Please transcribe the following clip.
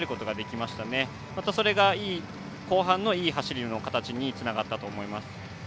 また、それが後半のいい形の走りにつながったと思います。